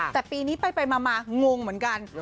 แต่ปีนี้ไปมางงเหมือนกัน